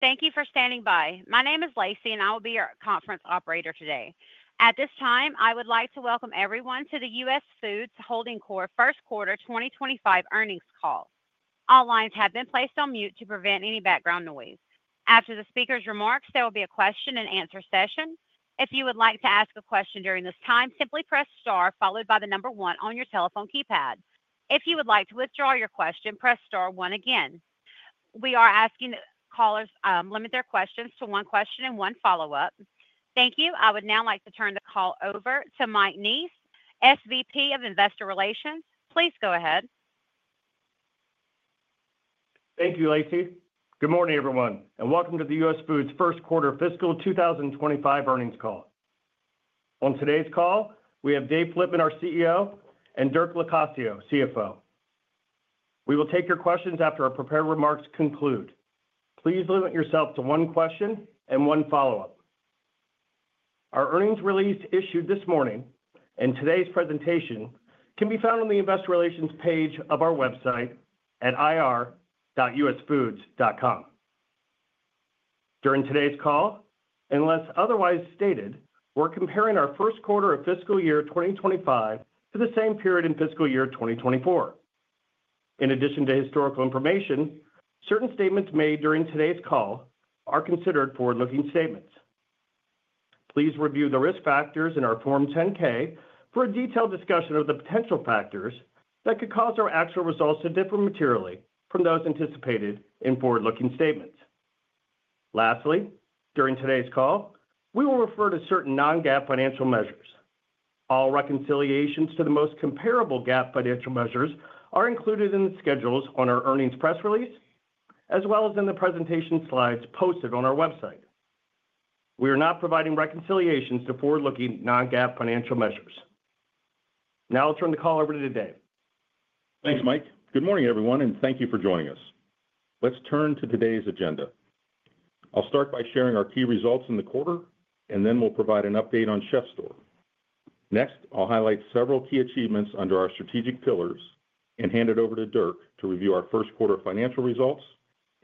Thank you for standing by. My name is Lacey, and I will be your conference operator today. At this time, I would like to welcome everyone to the US Foods Holding Corp.'s First Quarter 2025 earnings call. All lines have been placed on mute to prevent any background noise. After the speaker's remarks, there will be a question-and-answer session. If you would like to ask a question during this time, simply press star followed by the number one on your telephone keypad. If you would like to withdraw your question, press star one again. We are asking callers to limit their questions to one question and one follow-up. Thank you. I would now like to turn the call over to Mike Neese, SVP of Investor Relations. Please go ahead. Thank you, Lacey. Good morning, everyone, and welcome to the US Foods First Quarter Fiscal 2025 earnings call. On today's call, we have Dave Flitman, our CEO, and Dirk Locascio, CFO. We will take your questions after our prepared remarks conclude. Please limit yourself to one question and one follow-up. Our earnings release, issued this morning, and today's presentation can be found on the Investor Relations page of our website at ir.usfoods.com. During today's call, unless otherwise stated, we're comparing our first quarter of fiscal year 2025 to the same period in fiscal year 2024. In addition to historical information, certain statements made during today's call are considered forward-looking statements. Please review the risk factors in our Form 10-K for a detailed discussion of the potential factors that could cause our actual results to differ materially from those anticipated in forward-looking statements. Lastly, during today's call, we will refer to certain non-GAAP financial measures. All reconciliations to the most comparable GAAP financial measures are included in the schedules on our earnings press release, as well as in the presentation slides posted on our website. We are not providing reconciliations to forward-looking non-GAAP financial measures. Now I'll turn the call over to Dave. Thanks, Mike. Good morning, everyone, and thank you for joining us. Let's turn to today's agenda. I'll start by sharing our key results in the quarter, and then we'll provide an update on CHEF'STORE. Next, I'll highlight several key achievements under our strategic pillars and hand it over to Dirk to review our first quarter financial results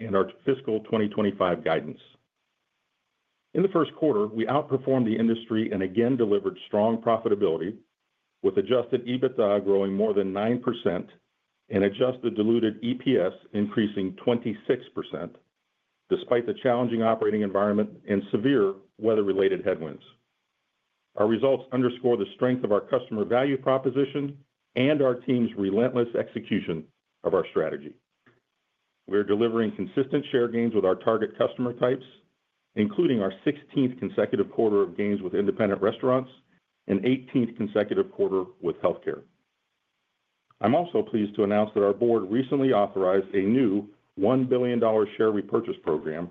and our fiscal 2025 guidance. In the first quarter, we outperformed the industry and again delivered strong profitability, with Adjusted EBITDA growing more than 9% and Adjusted Diluted EPS increasing 26%, despite the challenging operating environment and severe weather-related headwinds. Our results underscore the strength of our customer value proposition and our team's relentless execution of our strategy. We are delivering consistent share gains with our target customer types, including our 16th consecutive quarter of gains with independent restaurants and 18th consecutive quarter with healthcare. I'm also pleased to announce that our board recently authorized a new $1 billion share repurchase program,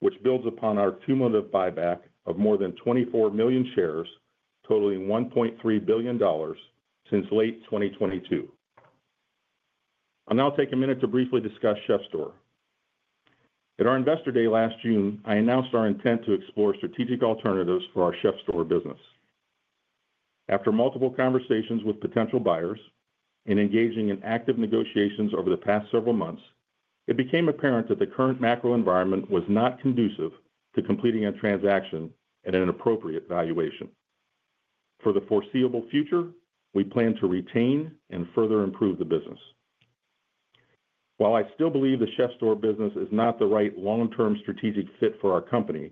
which builds upon our cumulative buyback of more than 24 million shares, totaling $1.3 billion since late 2022. I'll now take a minute to briefly discuss CHEF'STORE. At our Investor Day last June, I announced our intent to explore strategic alternatives for our CHEF'STORE business. After multiple conversations with potential buyers and engaging in active negotiations over the past several months, it became apparent that the current macro environment was not conducive to completing a transaction at an appropriate valuation. For the foreseeable future, we plan to retain and further improve the business. While I still believe the CHEF'STORE business is not the right long-term strategic fit for our company,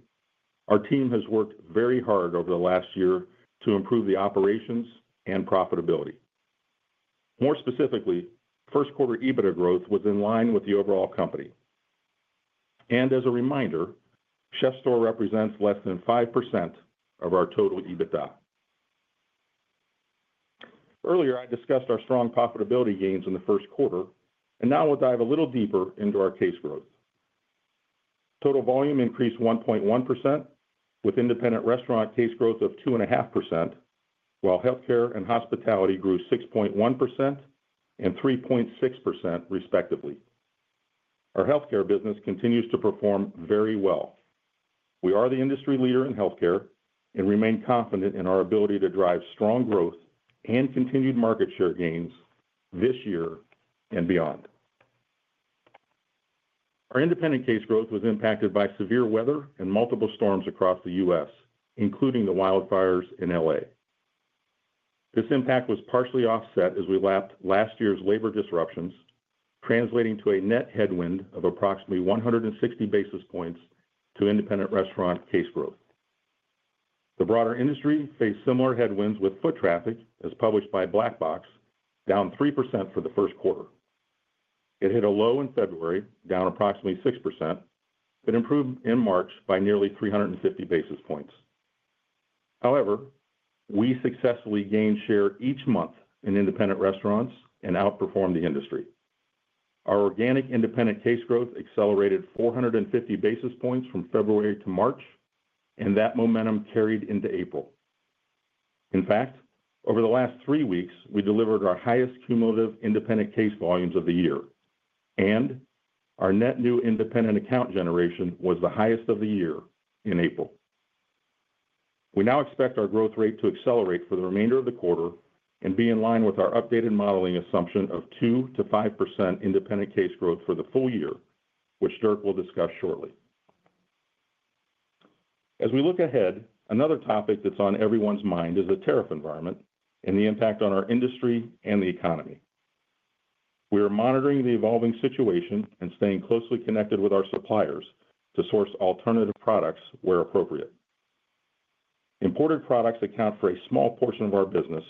our team has worked very hard over the last year to improve the operations and profitability. More specifically, first quarter EBITDA growth was in line with the overall company. And as a reminder, CHEF'STORE represents less than 5% of our total EBITDA. Earlier, I discussed our strong profitability gains in the first quarter, and now we'll dive a little deeper into our case growth. Total volume increased 1.1%, with independent restaurant case growth of 2.5%, while healthcare and hospitality grew 6.1% and 3.6%, respectively. Our healthcare business continues to perform very well. We are the industry leader in healthcare and remain confident in our ability to drive strong growth and continued market share gains this year and beyond. Our independent case growth was impacted by severe weather and multiple storms across the U.S., including the wildfires in LA. This impact was partially offset as we lapped last year's labor disruptions, translating to a net headwind of approximately 160 basis points to independent restaurant case growth. The broader industry faced similar headwinds with foot traffic, as published by Black Box, down 3% for the first quarter. It hit a low in February, down approximately 6%, but improved in March by nearly 350 basis points. However, we successfully gained share each month in independent restaurants and outperformed the industry. Our organic independent case growth accelerated 450 basis points from February to March, and that momentum carried into April. In fact, over the last three weeks, we delivered our highest cumulative independent case volumes of the year, and our net new independent account generation was the highest of the year in April. We now expect our growth rate to accelerate for the remainder of the quarter and be in line with our updated modeling assumption of 2%-5% independent case growth for the full year, which Dirk will discuss shortly. As we look ahead, another topic that's on everyone's mind is the tariff environment and the impact on our industry and the economy. We are monitoring the evolving situation and staying closely connected with our suppliers to source alternative products where appropriate. Imported products account for a small portion of our business,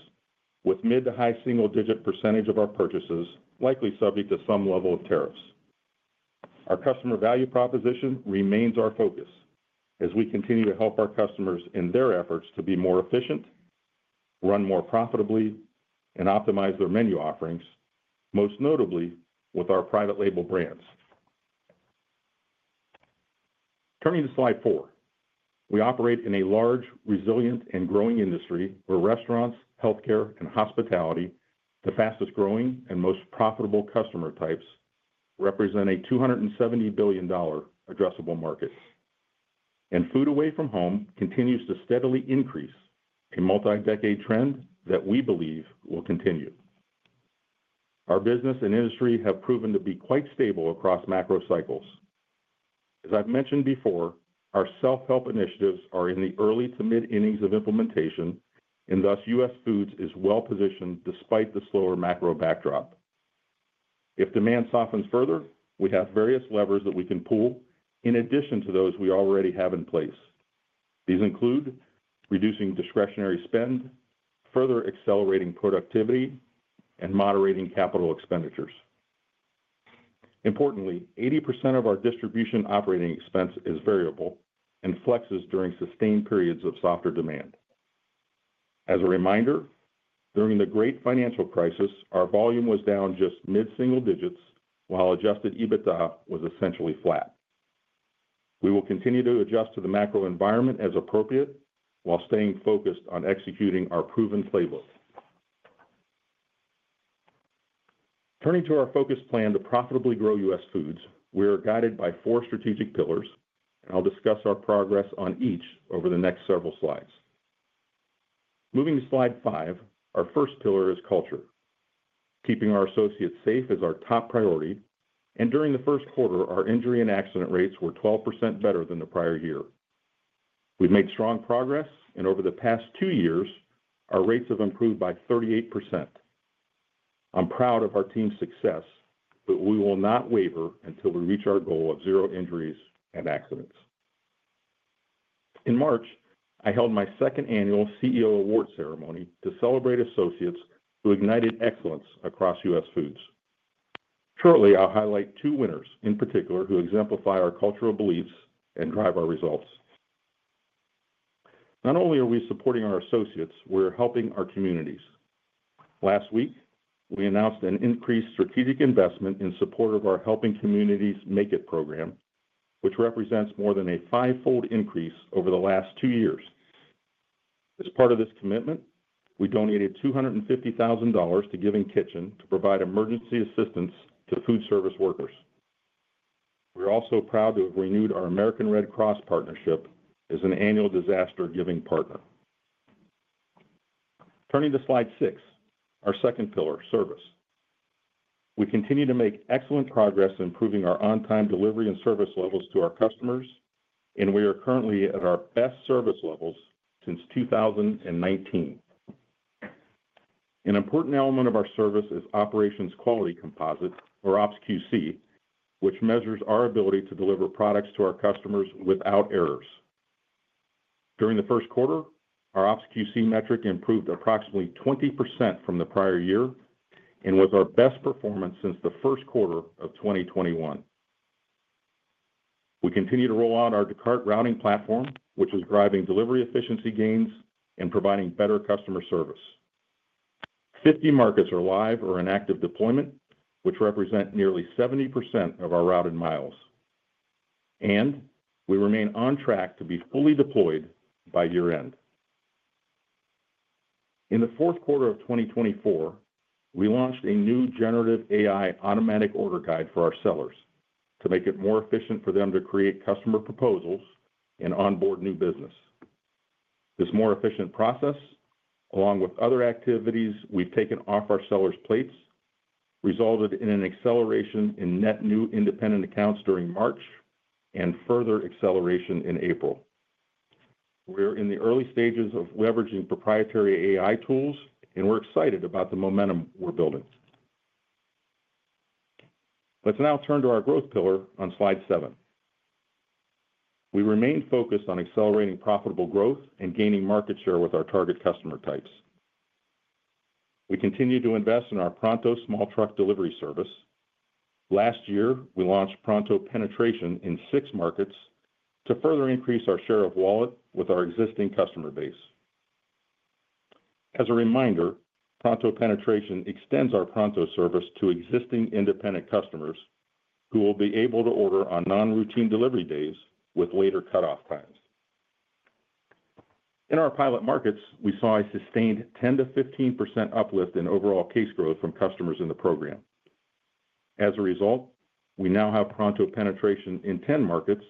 with mid- to high single-digit % of our purchases likely subject to some level of tariffs. Our customer value proposition remains our focus as we continue to help our customers in their efforts to be more efficient, run more profitably, and optimize their menu offerings, most notably with our private label brands. Turning to slide four, we operate in a large, resilient, and growing industry where restaurants, healthcare, and hospitality, the fastest growing and most profitable customer types, represent a $270 billion addressable market. And food away from home continues to steadily increase, a multi-decade trend that we believe will continue. Our business and industry have proven to be quite stable across macro cycles. As I've mentioned before, our self-help initiatives are in the early to mid-innings of implementation, and thus US Foods is well-positioned despite the slower macro backdrop. If demand softens further, we have various levers that we can pull in addition to those we already have in place. These include reducing discretionary spend, further accelerating productivity, and moderating capital expenditures. Importantly, 80% of our distribution operating expense is variable and flexes during sustained periods of softer demand. As a reminder, during the great financial crisis, our volume was down just mid-single digits, while Adjusted EBITDA was essentially flat. We will continue to adjust to the macro environment as appropriate while staying focused on executing our proven playbook. Turning to our focus plan to profitably grow US Foods, we are guided by four strategic pillars, and I'll discuss our progress on each over the next several slides. Moving to slide five, our first pillar is culture. Keeping our associates safe is our top priority, and during the first quarter, our injury and accident rates were 12% better than the prior year. We've made strong progress, and over the past two years, our rates have improved by 38%. I'm proud of our team's success, but we will not waver until we reach our goal of zero injuries and accidents. In March, I held my second annual CEO Award ceremony to celebrate associates who ignited excellence across US Foods. Shortly, I'll highlight two winners in particular who exemplify our cultural beliefs and drive our results. Not only are we supporting our associates, we're helping our communities. Last week, we announced an increased strategic investment in support of our Helping Communities Make It program, which represents more than a fivefold increase over the last two years. As part of this commitment, we donated $250,000 to Giving Kitchen to provide emergency assistance to food service workers. We're also proud to have renewed our American Red Cross partnership as an annual disaster giving partner. Turning to slide six, our second pillar, service. We continue to make excellent progress in improving our on-time delivery and service levels to our customers, and we are currently at our best service levels since 2019. An important element of our service is Operations Quality Composite, or OpsQc, which measures our ability to deliver products to our customers without errors. During the first quarter, our OpsQC metric improved approximately 20% from the prior year and was our best performance since the first quarter of 2021. We continue to roll out our Descartes routing platform, which is driving delivery efficiency gains and providing better customer service. 50 markets are live or in active deployment, which represent nearly 70% of our routed miles, and we remain on track to be fully deployed by year-end. In the fourth quarter of 2024, we launched a new generative AI automatic order guide for our sellers to make it more efficient for them to create customer proposals and onboard new business. This more efficient process, along with other activities we've taken off our sellers' plates, resulted in an acceleration in net new independent accounts during March and further acceleration in April. We're in the early stages of leveraging proprietary AI tools, and we're excited about the momentum we're building. Let's now turn to our growth pillar on slide seven. We remain focused on accelerating profitable growth and gaining market share with our target customer types. We continue to invest in our Pronto small truck delivery service. Last year, we launched Pronto penetration in six markets to further increase our share of wallet with our existing customer base. As a reminder, Pronto penetration extends our Pronto service to existing independent customers who will be able to order on non-routine delivery days with later cutoff times. In our pilot markets, we saw a sustained 10%-15% uplift in overall case growth from customers in the program. As a result, we now have Pronto penetration in 10 markets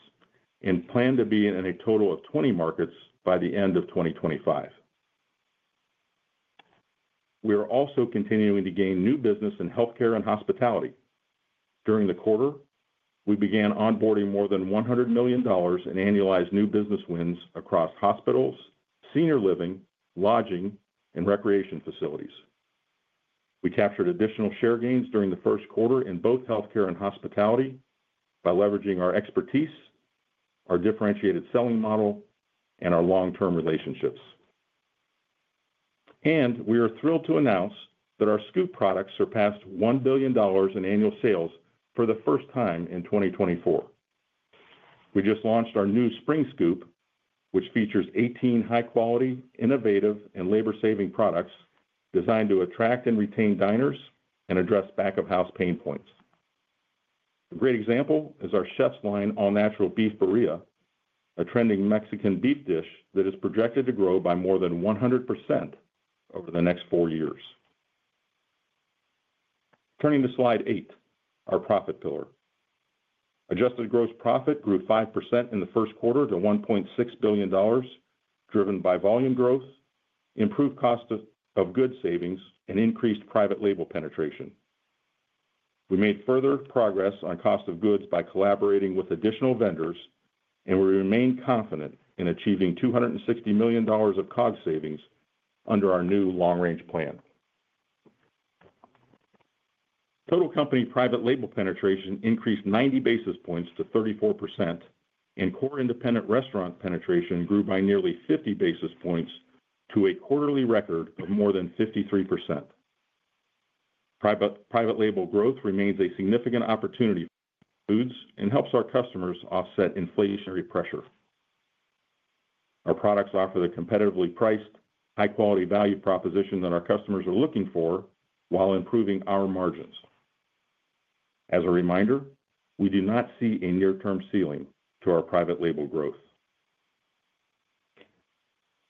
and plan to be in a total of 20 markets by the end of 2025. We are also continuing to gain new business in healthcare and hospitality. During the quarter, we began onboarding more than $100 million in annualized new business wins across hospitals, senior living, lodging, and recreation facilities. We captured additional share gains during the first quarter in both healthcare and hospitality by leveraging our expertise, our differentiated selling model, and our long-term relationships. And we are thrilled to announce that our Scoop products surpassed $1 billion in annual sales for the first time in 2024. We just launched our new Spring Scoop, which features 18 high-quality, innovative, and labor-saving products designed to attract and retain diners and address back-of-house pain points. A great example is our Chef's Line All-Natural Beef Birria, a trending Mexican beef dish that is projected to grow by more than 100% over the next four years. Turning to slide eight, our profit pillar. Adjusted gross profit grew 5% in the first quarter to $1.6 billion, driven by volume growth, improved cost of goods savings, and increased private label penetration. We made further progress on cost of goods by collaborating with additional vendors, and we remain confident in achieving $260 million of COGS savings under our new long-range plan. Total company private label penetration increased 90 basis points to 34%, and core independent restaurant penetration grew by nearly 50 basis points to a quarterly record of more than 53%. Private label growth remains a significant opportunity for US Foods and helps our customers offset inflationary pressure. Our products offer the competitively priced, high-quality value proposition that our customers are looking for while improving our margins. As a reminder, we do not see a near-term ceiling to our private label growth.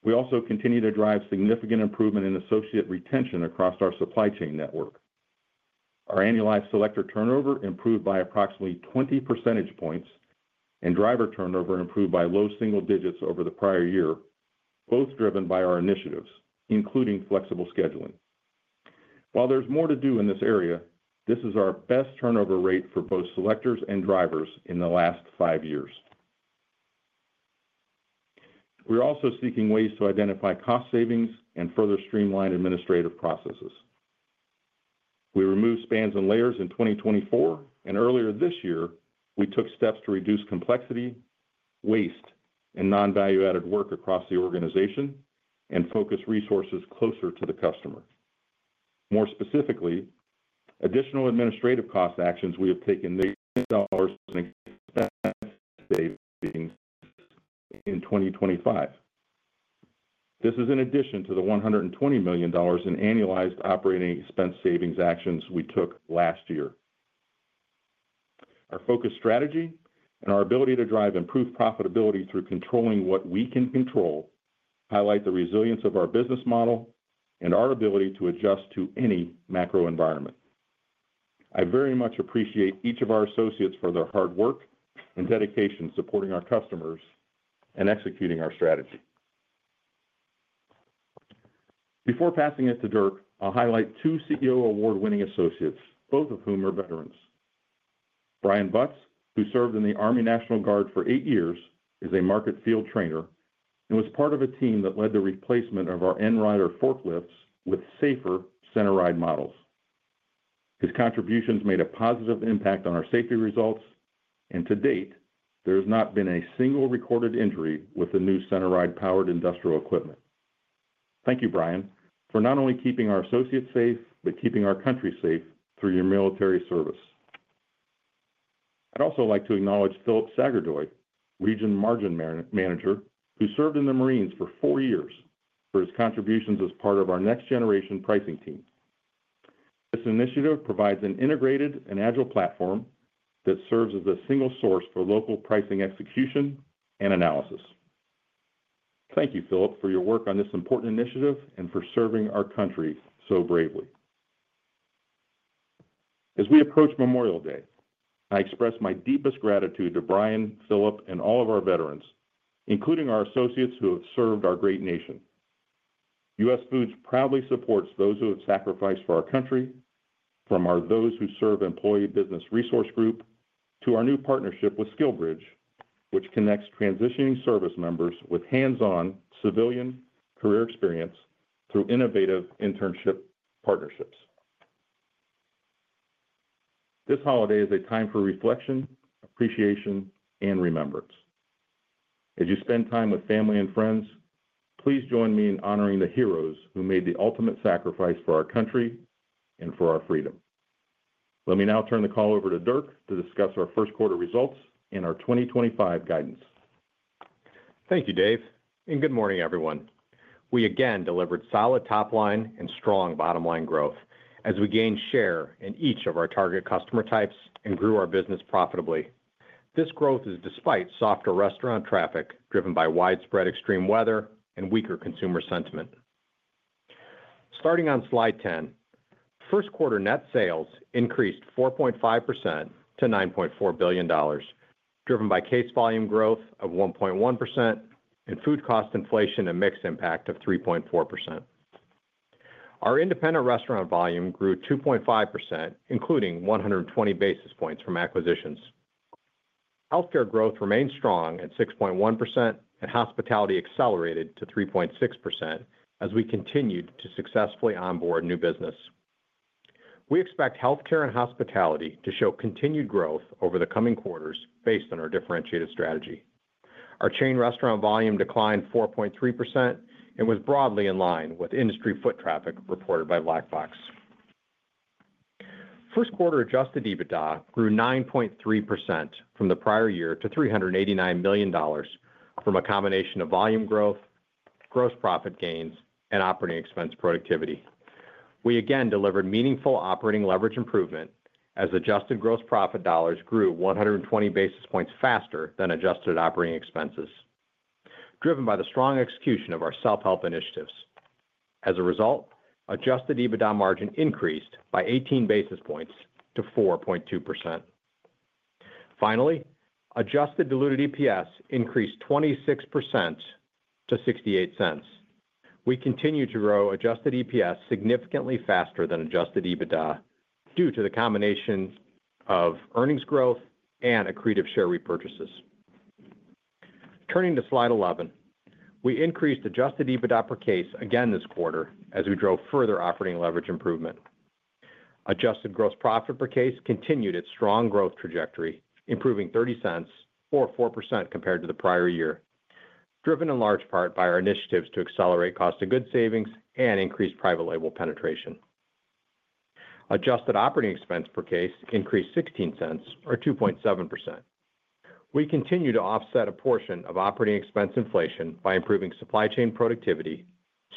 We also continue to drive significant improvement in associate retention across our supply chain network. Our annualized selector turnover improved by approximately 20 percentage points, and driver turnover improved by low single digits over the prior year, both driven by our initiatives, including flexible scheduling. While there's more to do in this area, this is our best turnover rate for both selectors and drivers in the last five years. We're also seeking ways to identify cost savings and further streamline administrative processes. We removed spans and layers in 2024, and earlier this year, we took steps to reduce complexity, waste, and non-value-added work across the organization and focus resources closer to the customer. More specifically, additional administrative cost actions we have taken $1 million in expense savings in 2025. This is in addition to the $120 million in annualized operating expense savings actions we took last year. Our focus strategy and our ability to drive improved profitability through controlling what we can control highlight the resilience of our business model and our ability to adjust to any macro environment. I very much appreciate each of our associates for their hard work and dedication supporting our customers and executing our strategy. Before passing it to Dirk, I'll highlight two CEO award-winning associates, both of whom are veterans. Brian Butts, who served in the Army National Guard for eight years, is a market field trainer and was part of a team that led the replacement of our end rider forklifts with safer center ride models. His contributions made a positive impact on our safety results, and to date, there has not been a single recorded injury with the new center ride powered industrial equipment. Thank you, Brian, for not only keeping our associates safe, but keeping our country safe through your military service. I'd also like to acknowledge Philip Sagardoy, Region Margin Manager, who served in the Marines for four years for his contributions as part of our Next Generation Pricing Team. This initiative provides an integrated and agile platform that serves as a single source for local pricing execution and analysis. Thank you, Philip, for your work on this important initiative and for serving our country so bravely. As we approach Memorial Day, I express my deepest gratitude to Brian, Philip, and all of our veterans, including our associates who have served our great nation. US Foods proudly supports those who have sacrificed for our country, from our Those Who Serve employee business resource group to our new partnership with SkillBridge, which connects transitioning service members with hands-on civilian career experience through innovative internship partnerships. This holiday is a time for reflection, appreciation, and remembrance. As you spend time with family and friends, please join me in honoring the heroes who made the ultimate sacrifice for our country and for our freedom. Let me now turn the call over to Dirk to discuss our first quarter results and our 2025 guidance. Thank you, Dave, and good morning, everyone. We again delivered solid topline and strong bottomline growth as we gained share in each of our target customer types and grew our business profitably. This growth is despite softer restaurant traffic driven by widespread extreme weather and weaker consumer sentiment. Starting on slide 10, first quarter net sales increased 4.5% - $9.4 billion, driven by case volume growth of 1.1% and food cost inflation and mixed impact of 3.4%. Our independent restaurant volume grew 2.5%, including 120 basis points from acquisitions. Healthcare growth remained strong at 6.1%, and hospitality accelerated to 3.6% as we continued to successfully onboard new business. We expect healthcare and hospitality to show continued growth over the coming quarters based on our differentiated strategy. Our chain restaurant volume declined 4.3% and was broadly in line with industry foot traffic reported by Black Box. First quarter Adjusted EBITDA grew 9.3% from the prior year to $389 million from a combination of volume growth, gross profit gains, and operating expense productivity. We again delivered meaningful operating leverage improvement as adjusted gross profit dollars grew 120 basis points faster than adjusted operating expenses, driven by the strong execution of our self-help initiatives. As a result, adjusted EBITDA margin increased by 18 basis points to 4.2%. Finally, adjusted diluted EPS increased 26% - $0.68. We continue to grow adjusted EPS significantly faster than adjusted EBITDA due to the combination of earnings growth and accretive share repurchases. Turning to slide 11, we increased adjusted EBITDA per case again this quarter as we drove further operating leverage improvement. Adjusted gross profit per case continued its strong growth trajectory, improving $0.30, or 4% compared to the prior year, driven in large part by our initiatives to accelerate cost of goods savings and increased private label penetration. Adjusted operating expense per case increased $0.16, or 2.7%. We continue to offset a portion of operating expense inflation by improving supply chain productivity,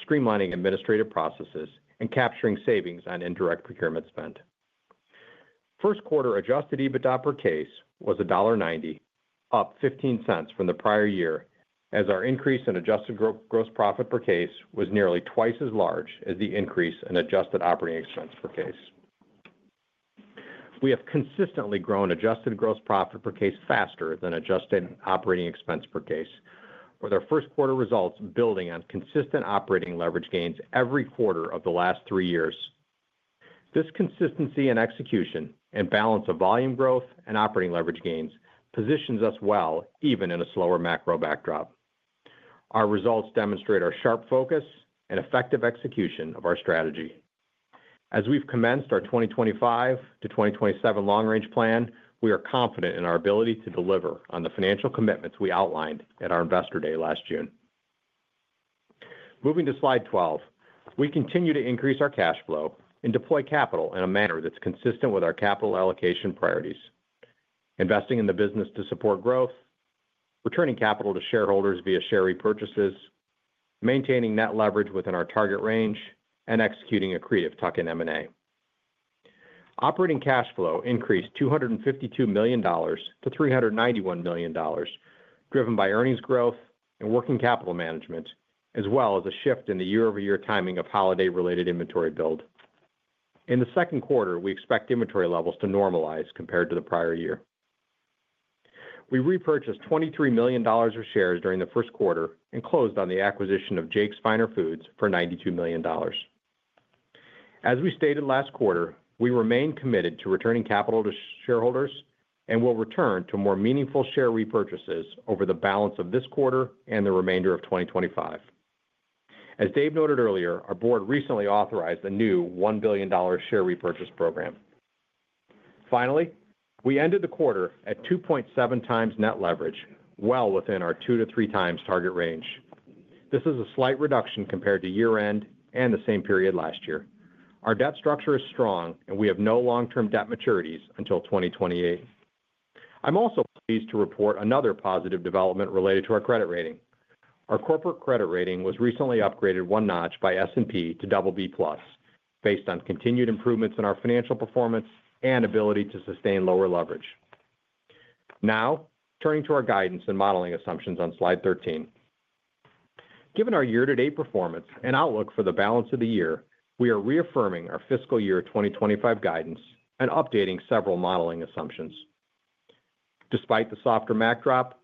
streamlining administrative processes, and capturing savings on indirect procurement spent. First quarter adjusted EBITDA per case was $1.90, up $0.15 from the prior year as our increase in adjusted gross profit per case was nearly twice as large as the increase in adjusted operating expense per case. We have consistently grown adjusted gross profit per case faster than adjusted operating expense per case, with our first quarter results building on consistent operating leverage gains every quarter of the last three years. This consistency in execution and balance of volume growth and operating leverage gains positions us well even in a slower macro backdrop. Our results demonstrate our sharp focus and effective execution of our strategy. As we've commenced our 2025 to 2027 long-range plan, we are confident in our ability to deliver on the financial commitments we outlined at our investor day last June. Moving to slide 12, we continue to increase our cash flow and deploy capital in a manner that's consistent with our capital allocation priorities, investing in the business to support growth, returning capital to shareholders via share repurchases, maintaining net leverage within our target range, and executing accretive tuck and M&A. Operating cash flow increased $252 million-$391 million, driven by earnings growth and working capital management, as well as a shift in the year-over-year timing of holiday-related inventory build. In the second quarter, we expect inventory levels to normalize compared to the prior year. We repurchased $23 million of shares during the first quarter and closed on the acquisition of Jake's Finer Foods for $92 million. As we stated last quarter, we remain committed to returning capital to shareholders and will return to more meaningful share repurchases over the balance of this quarter and the remainder of 2025. As Dave noted earlier, our board recently authorized a new $1 billion share repurchase program. Finally, we ended the quarter at 2.7 times net leverage, well within our two to three times target range. This is a slight reduction compared to year-end and the same period last year. Our debt structure is strong, and we have no long-term debt maturities until 2028. I'm also pleased to report another positive development related to our credit rating. Our corporate credit rating was recently upgraded one notch by S&P to BB Plus, based on continued improvements in our financial performance and ability to sustain lower leverage. Now, turning to our guidance and modeling assumptions on slide 13. Given our year-to-date performance and outlook for the balance of the year, we are reaffirming our fiscal year 2025 guidance and updating several modeling assumptions. Despite the softer macro drop,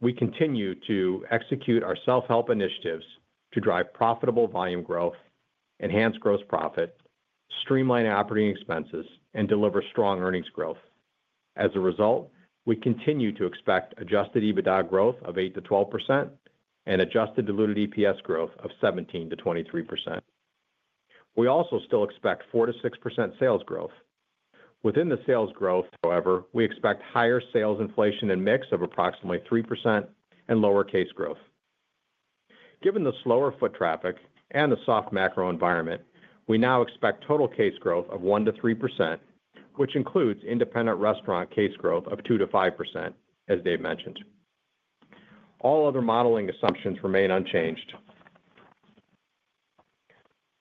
we continue to execute our self-help initiatives to drive profitable volume growth, enhance gross profit, streamline operating expenses, and deliver strong earnings growth. As a result, we continue to expect Adjusted EBITDA growth of 8%-12% and Adjusted Diluted EPS growth of 17%-23%. We also still expect 4%-6% sales growth. Within the sales growth, however, we expect higher sales inflation and mix of approximately 3% and lower case growth. Given the slower foot traffic and the soft macro environment, we now expect total case growth of 1%-3%, which includes independent restaurant case growth of 2%-5%, as Dave mentioned. All other modeling assumptions remain unchanged.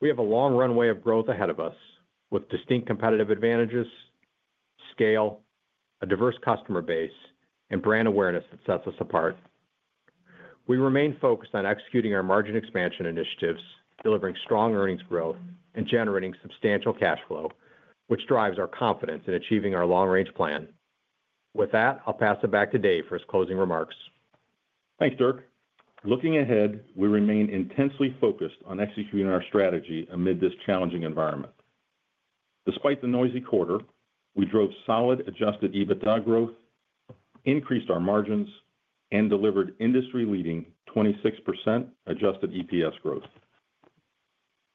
We have a long runway of growth ahead of us with distinct competitive advantages, scale, a diverse customer base, and brand awareness that sets us apart. We remain focused on executing our margin expansion initiatives, delivering strong earnings growth, and generating substantial cash flow, which drives our confidence in achieving our long-range plan. With that, I'll pass it back to Dave for his closing remarks. Thanks, Dirk. Looking ahead, we remain intensely focused on executing our strategy amid this challenging environment. Despite the noisy quarter, we drove solid Adjusted EBITDA growth, increased our margins, and delivered industry-leading 26% Adjusted EPS growth.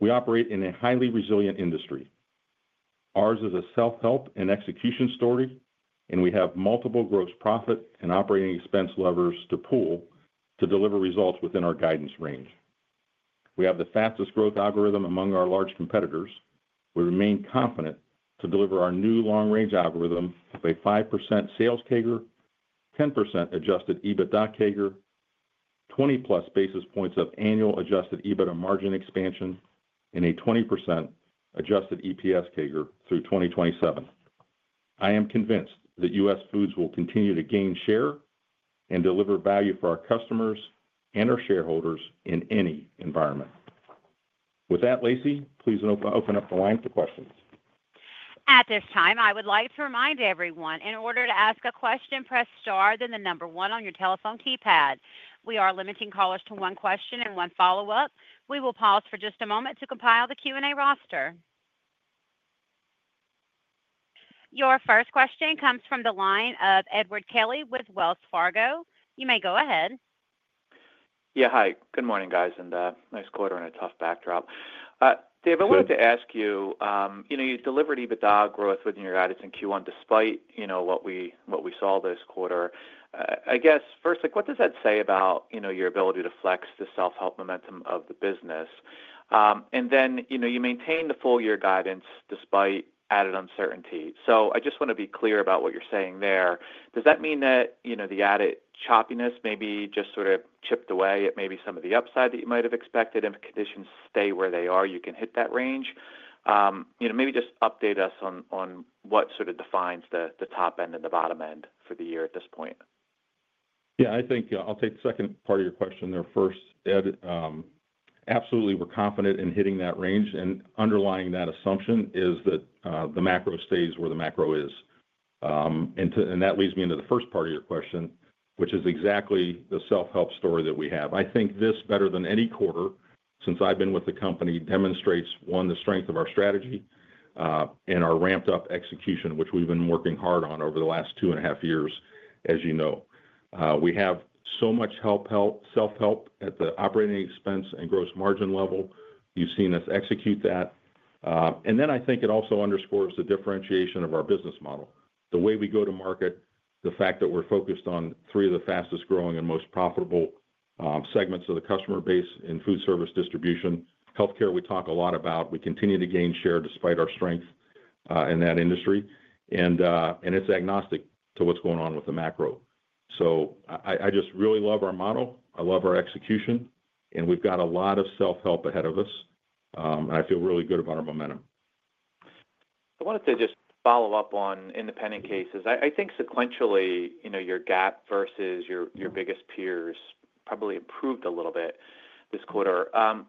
We operate in a highly resilient industry. Ours is a self-help and execution story, and we have multiple gross profit and operating expense levers to pool to deliver results within our guidance range. We have the fastest growth algorithm among our large competitors. We remain confident to deliver our new long-range plan with a 5% sales CAGR, 10% adjusted EBITDA CAGR, 20-plus basis points of annual adjusted EBITDA margin expansion, and a 20% adjusted EPS CAGR through 2027. I am convinced that US Foods will continue to gain share and deliver value for our customers and our shareholders in any environment. With that, Lacey, please open up the line for questions. At this time, I would like to remind everyone, in order to ask a question, press star then the number one on your telephone keypad. We are limiting callers to one question and one follow-up. We will pause for just a moment to compile the Q&A roster. Your first question comes from the line of Edward Kelly with Wells Fargo. You may go ahead. Yeah, hi. Good morning, guys, and nice quarter and a tough backdrop. Dave, I wanted to ask you, you delivered EBITDA growth within your guidance in Q1 despite what we saw this quarter. I guess, first, what does that say about your ability to flex the self-help momentum of the business? And then you maintained the full-year guidance despite added uncertainty. So I just want to be clear about what you're saying there. Does that mean that the added choppiness maybe just sort of chipped away at maybe some of the upside that you might have expected? If conditions stay where they are, you can hit that range. Maybe just update us on what sort of defines the top end and the bottom end for the year at this point. Yeah, I think I'll take the second part of your question there first. Absolutely, we're confident in hitting that range, and underlying that assumption is that the macro stays where the macro is. And that leads me into the first part of your question, which is exactly the self-help story that we have. I think this, better than any quarter since I've been with the company, demonstrates, one, the strength of our strategy and our ramped-up execution, which we've been working hard on over the last two and a half years, as you know. We have so much self-help at the operating expense and gross margin level. You've seen us execute that. And then I think it also underscores the differentiation of our business model. The way we go to market, the fact that we're focused on three of the fastest-growing and most profitable segments of the customer base in food service distribution. Healthcare, we talk a lot about. We continue to gain share despite our strength in that industry, and it's agnostic to what's going on with the macro. So I just really love our model. I love our execution, and we've got a lot of self-help ahead of us, and I feel really good about our momentum. I wanted to just follow up on independent cases. I think sequentially, your gap versus your biggest peers probably improved a little bit this quarter.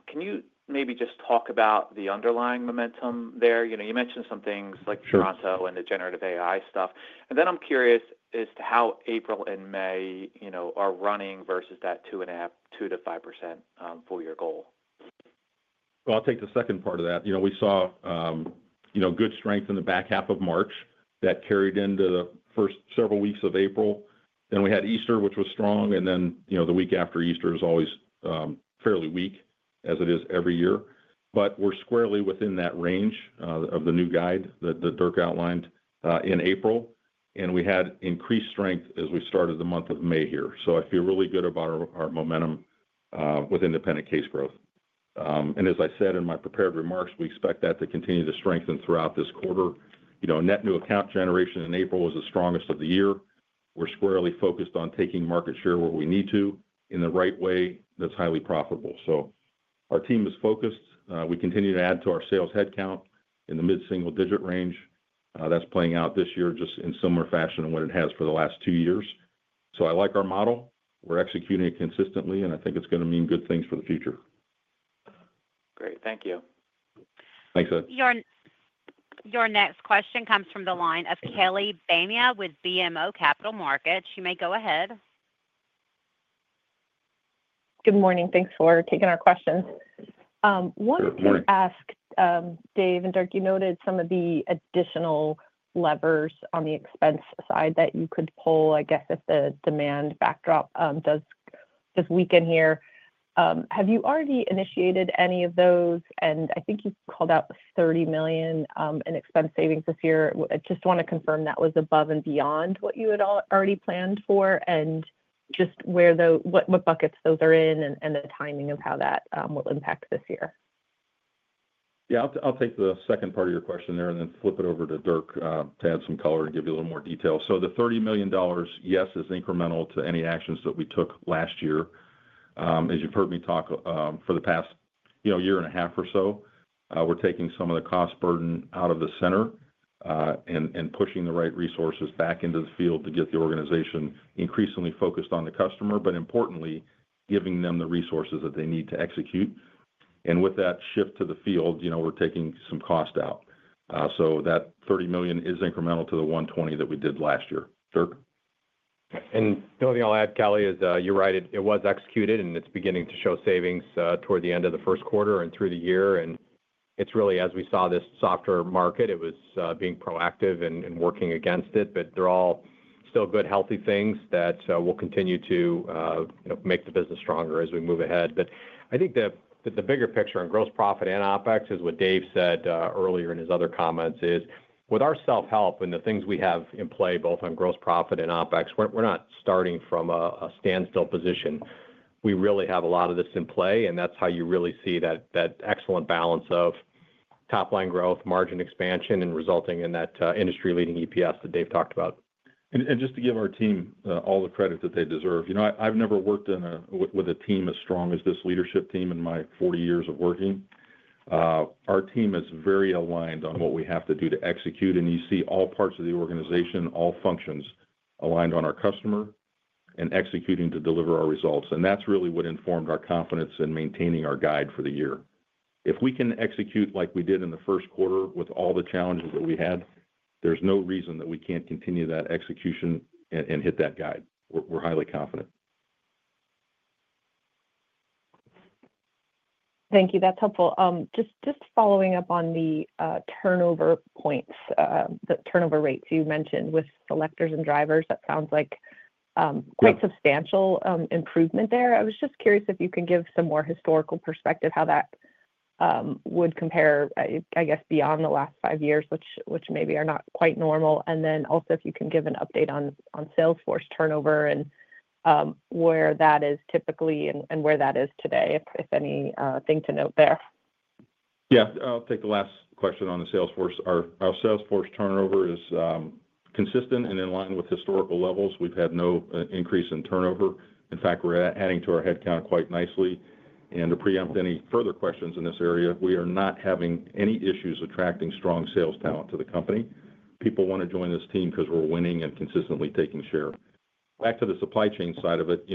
Can you maybe just talk about the underlying momentum there? You mentioned some things like Pronto and the generative AI stuff. And then I'm curious as to how April and May are running versus that 2%-5% full-year goal. Well, I'll take the second part of that. We saw good strength in the back half of March that carried into the first several weeks of April. Then we had Easter, which was strong, and then the week after Easter is always fairly weak, as it is every year. But we're squarely within that range of the new guide that Dirk outlined in April, and we had increased strength as we started the month of May here. So I feel really good about our momentum with independent case growth. And as I said in my prepared remarks, we expect that to continue to strengthen throughout this quarter. Net new account generation in April was the strongest of the year. We're squarely focused on taking market share where we need to in the right way that's highly profitable. So our team is focused. We continue to add to our sales headcount in the mid-single-digit range. That's playing out this year just in similar fashion to what it has for the last two years. So I like our model. We're executing it consistently, and I think it's going to mean good things for the future. Great. Thank you. Thanks, Ed. Your next question comes from the line of Kelly Bania with BMO Capital Markets. You may go ahead. Good morning. Thanks for taking our questions. Good morning. I wanted to ask, Dave and Dirk, you noted some of the additional levers on the expense side that you could pull, I guess, if the demand backdrop does weaken here. Have you already initiated any of those? And I think you called out $30 million in expense savings this year. I just want to confirm that was above and beyond what you had already planned for and just what buckets those are in and the timing of how that will impact this year. Yeah, I'll take the second part of your question there and then flip it over to Dirk to add some color and give you a little more detail. So the $30 million, yes, is incremental to any actions that we took last year. As you've heard me talk for the past year and a half or so, we're taking some of the cost burden out of the center and pushing the right resources back into the field to get the organization increasingly focused on the customer, but importantly, giving them the resources that they need to execute. And with that shift to the field, we're taking some cost out. So that $30 million is incremental to the $120 million that we did last year. Dirk? And the only thing I'll add, Kelly, is you're right. It was executed, and it's beginning to show savings toward the end of the first quarter and through the year. And it's really, as we saw this softer market, it was being proactive and working against it. But they're all still good, healthy things that will continue to make the business stronger as we move ahead. But I think that the bigger picture on gross profit and OpEx, as what Dave said earlier in his other comments, is with our self-help and the things we have in play, both on gross profit and OpEx, we're not starting from a standstill position. We really have a lot of this in play, and that's how you really see that excellent balance of top-line growth, margin expansion, and resulting in that industry-leading EPS that Dave talked about. And just to give our team all the credit that they deserve. I've never worked with a team as strong as this leadership team in my 40 years of working. Our team is very aligned on what we have to do to execute, and you see all parts of the organization, all functions aligned on our customer and executing to deliver our results. And that's really what informed our confidence in maintaining our guide for the year. If we can execute like we did in the first quarter with all the challenges that we had, there's no reason that we can't continue that execution and hit that guide. We're highly confident. Thank you. That's helpful. Just following up on the turnover points, the turnover rates you mentioned with selectors and drivers, that sounds like quite substantial improvement there. I was just curious if you can give some more historical perspective, how that would compare, I guess, beyond the last five years, which maybe are not quite normal, and then also if you can give an update on sales force turnover and where that is typically and where that is today, if anything to note there. Yeah, I'll take the last question on the sales force. Our sales force turnover is consistent and in line with historical levels. We've had no increase in turnover. In fact, we're adding to our headcount quite nicely. And to preempt any further questions in this area, we are not having any issues attracting strong sales talent to the company. People want to join this team because we're winning and consistently taking share. Back to the supply chain side of it,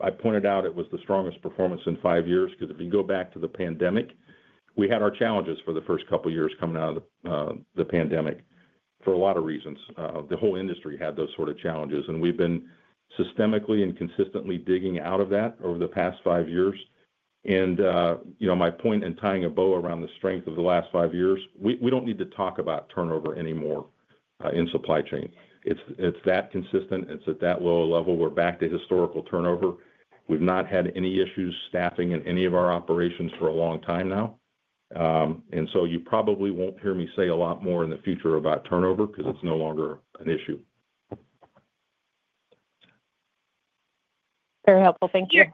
I pointed out it was the strongest performance in five years because if you go back to the pandemic, we had our challenges for the first couple of years coming out of the pandemic for a lot of reasons. The whole industry had those sort of challenges, and we've been systematically and consistently digging out of that over the past five years. And my point in tying a bow around the strength of the last five years, we don't need to talk about turnover anymore in supply chain. It's that consistent. It's at that low level. We're back to historical turnover. We've not had any issues staffing in any of our operations for a long time now. And so you probably won't hear me say a lot more in the future about turnover because it's no longer an issue. Very helpful. Thank you.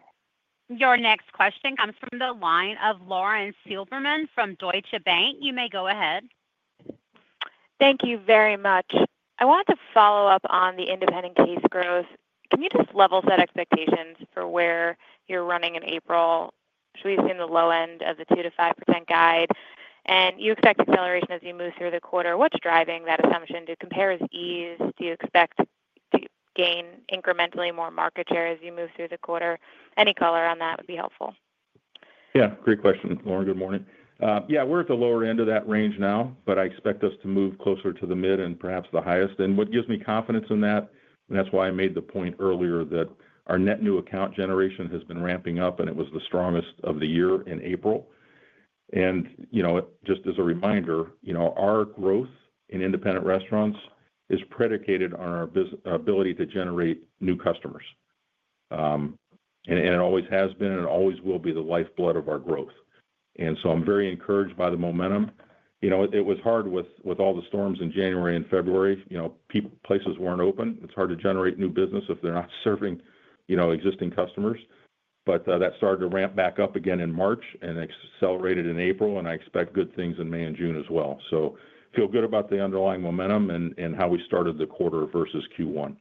Your next question comes from the line of Lauren Silberman from Deutsche Bank. You may go ahead. Thank you very much. I wanted to follow up on the independent case growth. Can you just level-set expectations for where you're running in April? We've seen the low end of the 2%-5% guide, and you expect acceleration as you move through the quarter. What's driving that assumption? Do comps ease? Do you expect to gain incrementally more market share as you move through the quarter? Any color on that would be helpful. Yeah, great question. Lauren, good morning. Yeah, we're at the lower end of that range now, but I expect us to move closer to the mid and perhaps the highest. What gives me confidence in that, and that's why I made the point earlier that our net new account generation has been ramping up, and it was the strongest of the year in April. Just as a reminder, our growth in independent restaurants is predicated on our ability to generate new customers. And it always has been and always will be the lifeblood of our growth. And so I'm very encouraged by the momentum. It was hard with all the storms in January and February. Places weren't open. It's hard to generate new business if they're not serving existing customers. But that started to ramp back up again in March and accelerated in April, and I expect good things in May and June as well. So feel good about the underlying momentum and how we started the quarter versus Q1.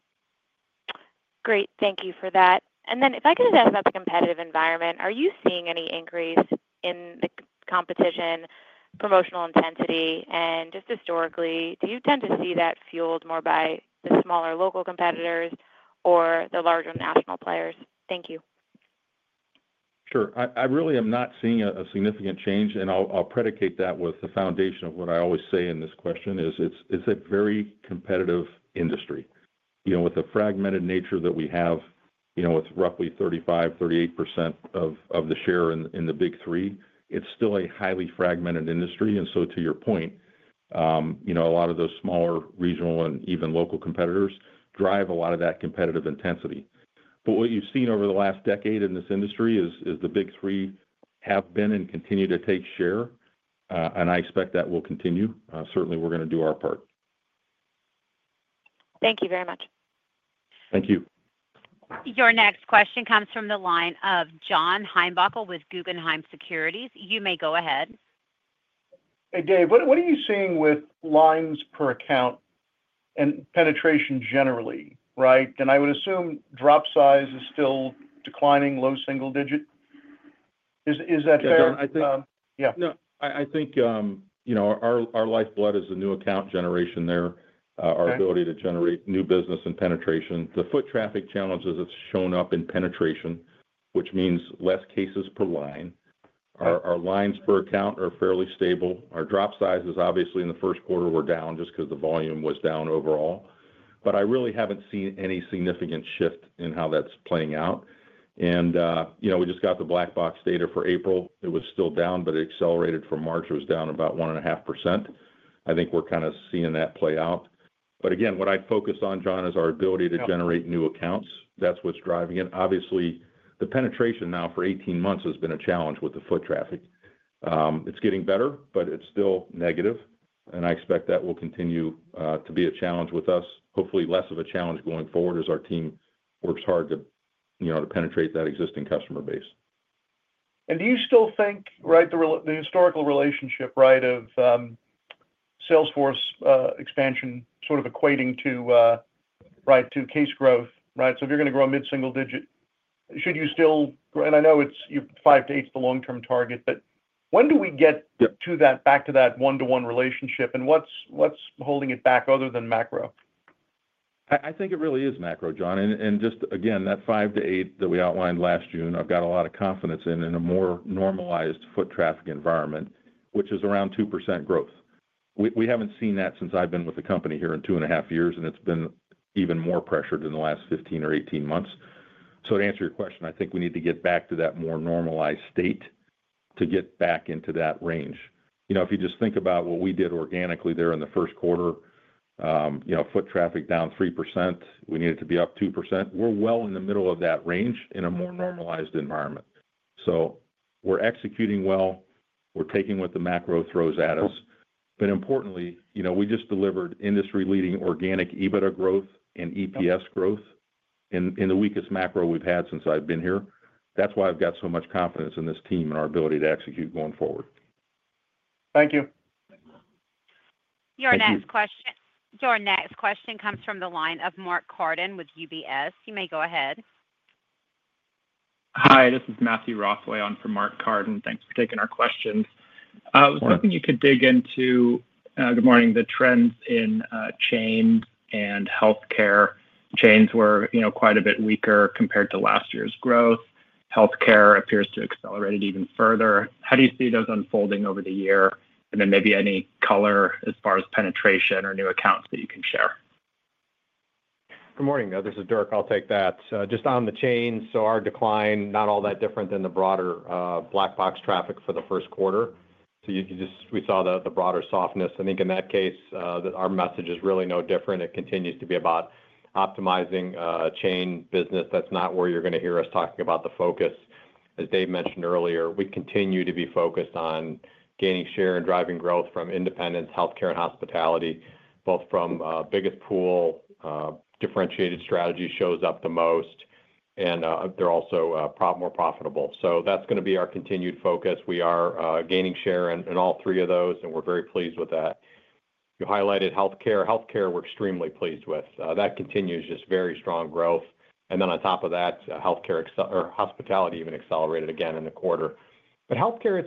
Great. Thank you for that. And then if I could just ask about the competitive environment, are you seeing any increase in the competition, promotional intensity? And just historically, do you tend to see that fueled more by the smaller local competitors or the larger national players? Thank you. Sure. I really am not seeing a significant change, and I'll predicate that with the foundation of what I always say in this question is it's a very competitive industry. With the fragmented nature that we have with roughly 35%-38% of the share in the Big Three, it's still a highly fragmented industry. And so to your point, a lot of those smaller regional and even local competitors drive a lot of that competitive intensity. But what you've seen over the last decade in this industry is the Big Three have been and continue to take share, and I expect that will continue. Certainly, we're going to do our part. Thank you very much. Thank you. Your next question comes from the line of John Heinbockel with Guggenheim Securities. You may go ahead. Hey, Dave, what are you seeing with lines per account and penetration generally, right? And I would assume drop size is still declining, low single digit. Is that fair? Yeah. No, I think our lifeblood is the new account generation there, our ability to generate new business and penetration. The foot traffic challenges have shown up in penetration, which means less cases per line. Our lines per account are fairly stable. Our drop size is obviously in the first quarter were down just because the volume was down overall. But I really haven't seen any significant shift in how that's playing out. And we just got the Black Box data for April. It was still down, but it accelerated from March. It was down about 1.5%. I think we're kind of seeing that play out. But again, what I focus on, John, is our ability to generate new accounts. That's what's driving it. Obviously, the penetration now for 18 months has been a challenge with the foot traffic. It's getting better, but it's still negative. And I expect that will continue to be a challenge with us, hopefully less of a challenge going forward as our team works hard to penetrate that existing customer base. And do you still think, right, the historical relationship, right, of Salesforce expansion sort of equating to, right, to case growth, right? So if you're going to grow a mid-single digit, should you still, and I know it's 5%-8% is the long-term target, but when do we get back to that one-to-one relationship? And what's holding it back other than macro? I think it really is macro, John. And just again, that 5%-8% that we outlined last June, I've got a lot of confidence in a more normalized foot traffic environment, which is around 2% growth. We haven't seen that since I've been with the company here in two and a half years, and it's been even more pressured in the last 15 or 18 months. So to answer your question, I think we need to get back to that more normalized state to get back into that range. If you just think about what we did organically there in the first quarter, foot traffic down 3%. We needed to be up 2%. We're well in the middle of that range in a more normalized environment. So we're executing well. We're taking what the macro throws at us. But importantly, we just delivered industry-leading organic EBITDA growth and EPS growth in the weakest macro we've had since I've been here. That's why I've got so much confidence in this team and our ability to execute going forward. Thank you. Your next question, your next question comes from the line of Mark Carden with UBS. You may go ahead. Hi, this is Matthew Rothway. I'm on for Mark Carden. Thanks for taking our questions. I was hoping you could dig into, good morning, the trends in chains and healthcare. Chains were quite a bit weaker compared to last year's growth. Healthcare appears to have accelerated even further. How do you see those unfolding over the year? And then maybe any color as far as penetration or new accounts that you can share? Good morning. This is Dirk. I'll take that. Just on the chains, so our decline is not all that different than the broader Black Box traffic for the first quarter. So we saw the broader softness. I think in that case, our message is really no different. It continues to be about optimizing chain business. That's not where you're going to hear us talking about the focus. As Dave mentioned earlier, we continue to be focused on gaining share and driving growth from independents, healthcare, and hospitality, both from the biggest pool. Differentiated strategy shows up the most, and they're also more profitable. So that's going to be our continued focus. We are gaining share in all three of those, and we're very pleased with that. You highlighted healthcare. Healthcare we're extremely pleased with. That continues just very strong growth. And then on top of that, healthcare and hospitality even accelerated again in the quarter. But healthcare,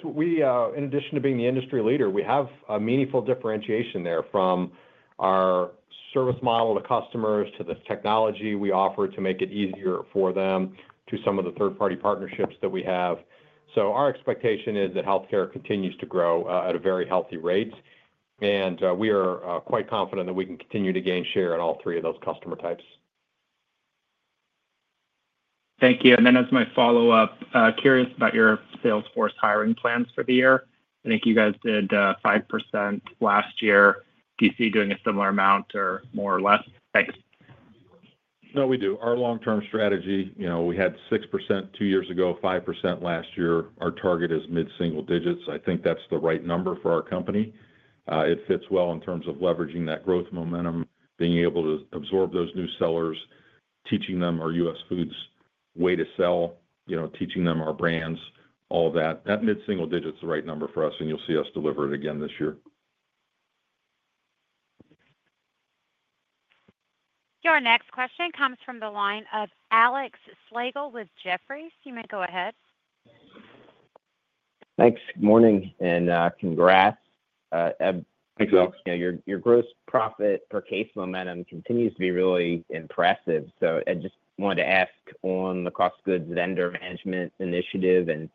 in addition to being the industry leader, we have a meaningful differentiation there from our service model to customers, to the technology we offer to make it easier for them, to some of the third-party partnerships that we have. So our expectation is that healthcare continues to grow at a very healthy rate. And we are quite confident that we can continue to gain share in all three of those customer types. Thank you. And then as my follow-up, curious about your sales force hiring plans for the year. I think you guys did 5% last year. Do you see doing a similar amount or more or less? Thanks. No, we do. Our long-term strategy, we had 6% two years ago, 5% last year. Our target is mid-single digits. I think that's the right number for our company. It fits well in terms of leveraging that growth momentum, being able to absorb those new sellers, teaching them our US Foods way to sell, teaching them our brands, all of that. That mid-single digit is the right number for us, and you'll see us deliver it again this year. Your next question comes from the line of Alex Slagle with Jefferies. You may go ahead. Thanks. Good morning and congrats. Thanks, Alex. Your gross profit per case momentum continues to be really impressive. So I just wanted to ask on the cost of goods vendor management initiative and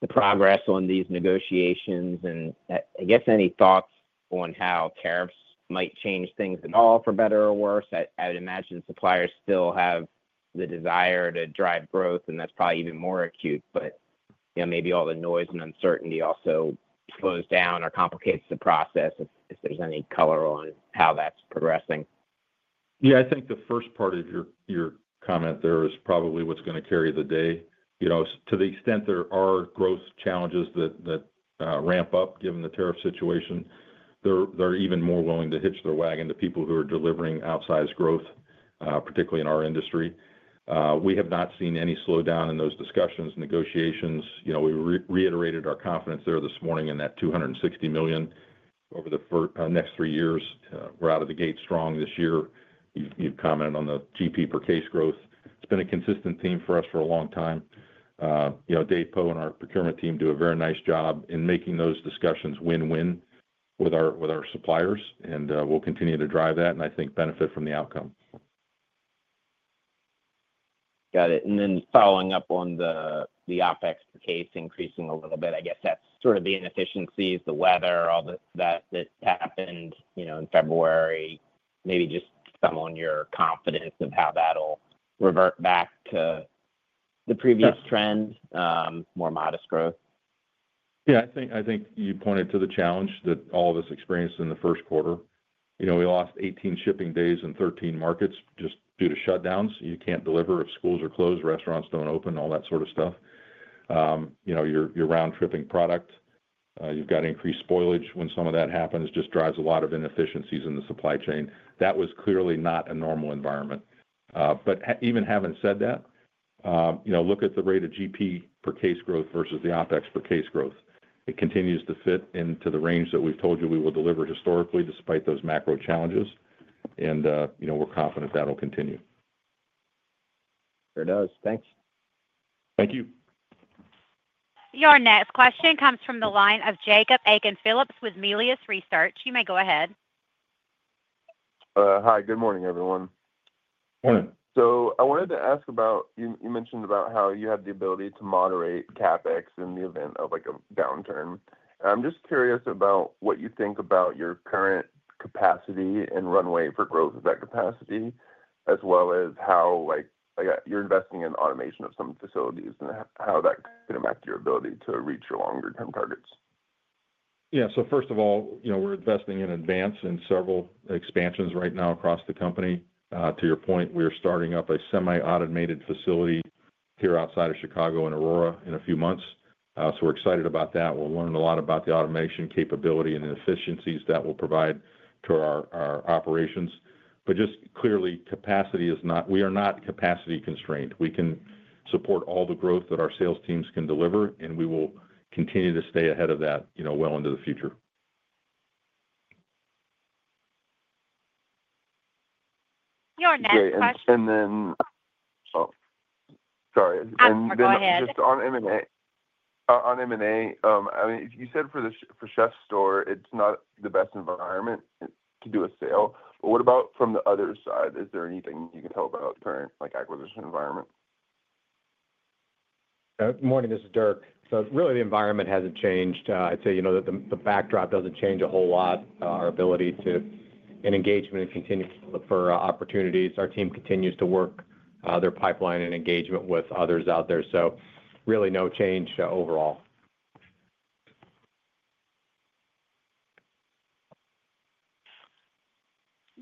the progress on these negotiations and I guess any thoughts on how tariffs might change things at all for better or worse. I would imagine suppliers still have the desire to drive growth, and that's probably even more acute. But maybe all the noise and uncertainty also slows down or complicates the process if there's any color on how that's progressing. Yeah, I think the first part of your comment there is probably what's going to carry the day. To the extent there are growth challenges that ramp up given the tariff situation, they're even more willing to hitch their wagon to people who are delivering outsized growth, particularly in our industry. We have not seen any slowdown in those discussions, negotiations. We reiterated our confidence there this morning in that $260 million over the next three years. We're out of the gate strong this year. You've commented on the GP per case growth. It's been a consistent theme for us for a long time. Dave Poe and our procurement team do a very nice job in making those discussions win-win with our suppliers. And we'll continue to drive that and I think benefit from the outcome. Got it. And then following up on the OpEx per case increasing a little bit, I guess that's sort of the inefficiencies, the weather, all that that happened in February. Maybe just some on your confidence of how that'll revert back to the previous trend, more modest growth. Yeah, I think you pointed to the challenge that all of us experienced in the first quarter. We lost 18 shipping days in 13 markets just due to shutdowns. You can't deliver if schools are closed, restaurants don't open, all that sort of stuff. You're round-tripping product. You've got increased spoilage when some of that happens. It just drives a lot of inefficiencies in the supply chain. That was clearly not a normal environment. But even having said that, look at the rate of GP per case growth versus the OPEX per case growth. It continues to fit into the range that we've told you we will deliver historically despite those macro challenges. And we're confident that'll continue. Sure does. Thanks. Thank you. Your next question comes from the line of Jacob Aiken-Phillips with Melius Research. You may go ahead. Hi, good morning, everyone. Good morning. So I wanted to ask about you mentioned about how you had the ability to moderate CapEx in the event of a downturn. I'm just curious about what you think about your current capacity and runway for growth of that capacity, as well as how you're investing in automation of some facilities and how that could impact your ability to reach your longer-term targets. Yeah. So first of all, we're investing in advance in several expansions right now across the company. To your point, we are starting up a semi-automated facility here outside of Chicago in Aurora in a few months. So we're excited about that. We'll learn a lot about the automation capability and the efficiencies that will provide to our operations. But just clearly, capacity is not. We are not capacity constrained. We can support all the growth that our sales teams can deliver, and we will continue to stay ahead of that well into the future. Your next question. And then, sorry. And then just on M&A. On M&A, I mean, you said for CHEF'STORE, it's not the best environment to do a sale. But what about from the other side? Is there anything you can tell about the current acquisition environment? Good morning. This is Dirk. So really, the environment hasn't changed. I'd say the backdrop doesn't change a whole lot. Our ability to engage continues to look for opportunities. Our team continues to work their pipeline and engagement with others out there. So really no change overall.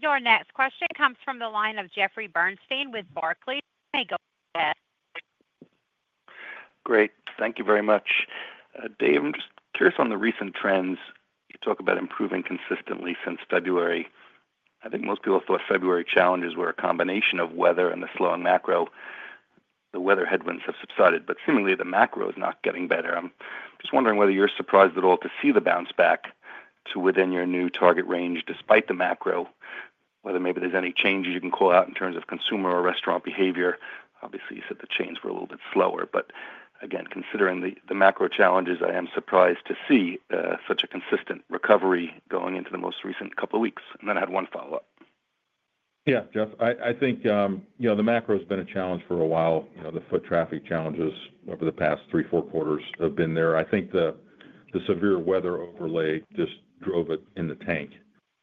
Your next question comes from the line of Jeffrey Bernstein with Barclays. You may go ahead. Great. Thank you very much. Dave, I'm just curious on the recent trends. You talk about improving consistently since February. I think most people thought February challenges were a combination of weather and the slowing macro. The weather headwinds have subsided, but seemingly the macro is not getting better. I'm just wondering whether you're surprised at all to see the bounce back to within your new target range despite the macro, whether maybe there's any changes you can call out in terms of consumer or restaurant behavior. Obviously, you said the chains were a little bit slower. But again, considering the macro challenges, I am surprised to see such a consistent recovery going into the most recent couple of weeks. And then I had one follow-up. Yeah, Jeff. I think the macro has been a challenge for a while. The foot traffic challenges over the past three, four quarters have been there. I think the severe weather overlay just drove it in the tank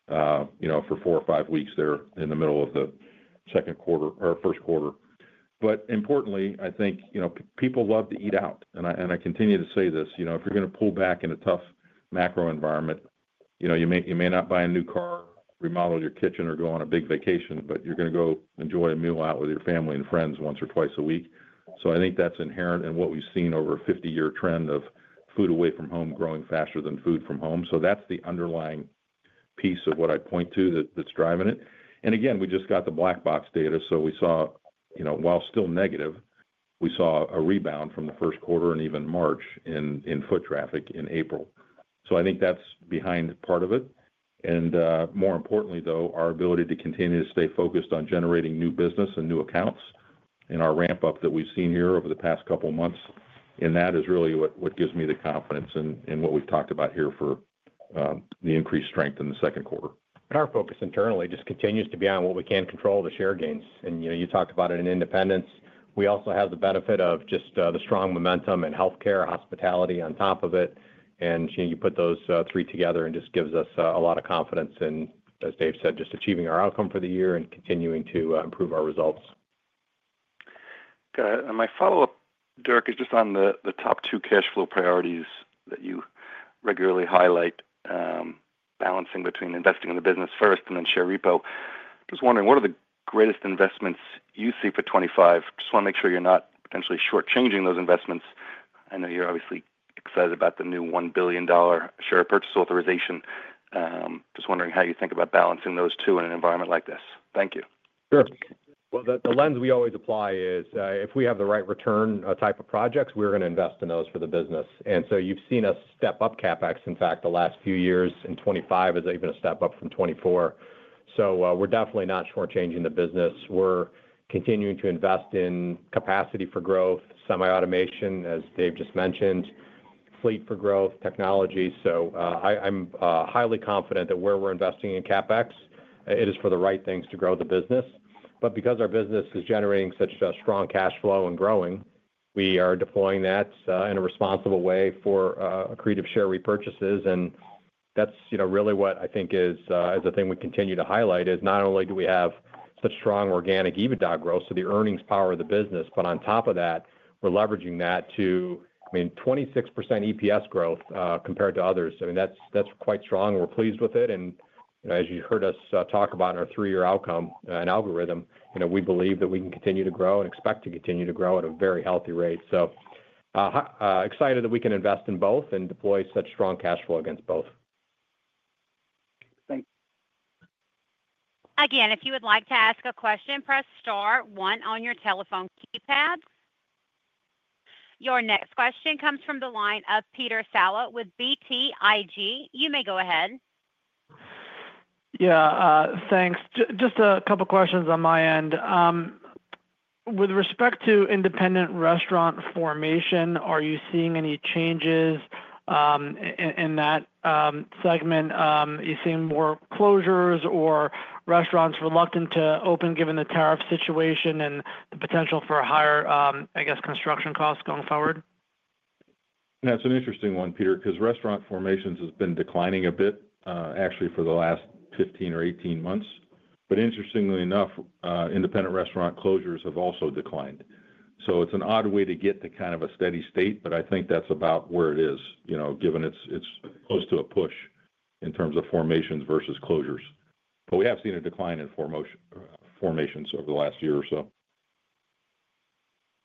for four or five weeks there in the middle of the second quarter or first quarter. But importantly, I think people love to eat out. And I continue to say this. If you're going to pull back in a tough macro environment, you may not buy a new car, remodel your kitchen, or go on a big vacation, but you're going to go enjoy a meal out with your family and friends once or twice a week. So I think that's inherent in what we've seen over a 50-year trend of food away from home growing faster than food from home. So that's the underlying piece of what I point to that's driving it. And again, we just got the Black Box data. So we saw, while still negative, we saw a rebound from the first quarter and even March in foot traffic in April. So I think that's behind part of it. And more importantly, though, our ability to continue to stay focused on generating new business and new accounts in our ramp-up that we've seen here over the past couple of months. And that is really what gives me the confidence in what we've talked about here for the increased strength in the second quarter. And our focus internally just continues to be on what we can control the share gains. And you talked about it in independents. We also have the benefit of just the strong momentum in healthcare, hospitality on top of it. And you put those three together and just gives us a lot of confidence in, as Dave said, just achieving our outcome for the year and continuing to improve our results. Got it. My follow-up, Dirk, is just on the top two cash flow priorities that you regularly highlight, balancing between investing in the business first and then share repo. Just wondering, what are the greatest investments you see for 2025? Just want to make sure you're not potentially short-changing those investments. I know you're obviously excited about the new $1 billion share repurchase authorization. Just wondering how you think about balancing those two in an environment like this. Thank you. Sure. The lens we always apply is if we have the right return type of projects, we're going to invest in those for the business. You've seen us step up CapEx. In fact, the last few years in 2025 is even a step up from 2024. We're definitely not short-changing the business. We're continuing to invest in capacity for growth, semi-automation, as Dave just mentioned, fleet for growth, technology, so I'm highly confident that where we're investing in CapEx, it is for the right things to grow the business, but because our business is generating such a strong cash flow and growing, we are deploying that in a responsible way for accretive share repurchases, and that's really what I think is the thing we continue to highlight is not only do we have such strong organic EBITDA growth, so the earnings power of the business, but on top of that, we're leveraging that to, I mean, 26% EPS growth compared to others. I mean, that's quite strong. We're pleased with it. And as you heard us talk about in our three-year outcome and algorithm, we believe that we can continue to grow and expect to continue to grow at a very healthy rate. So excited that we can invest in both and deploy such strong cash flow against both. Thanks. Again, if you would like to ask a question, press star one on your telephone keypad. Your next question comes from the line of Peter Saleh with BTIG. You may go ahead. Yeah. Thanks. Just a couple of questions on my end. With respect to independent restaurant formation, are you seeing any changes in that segment? You're seeing more closures or restaurants reluctant to open given the tariff situation and the potential for higher, I guess, construction costs going forward? That's an interesting one, Peter, because restaurant formations have been declining a bit, actually, for the last 15 or 18 months. But, interestingly enough, independent restaurant closures have also declined. So it's an odd way to get to kind of a steady state, but I think that's about where it is, given it's close to a push in terms of formations versus closures. But we have seen a decline in formations over the last year or so.